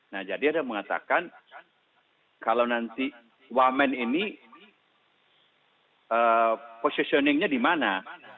nah jadi ada yang mengatakan kalau nanti one man ini positioning nya di mana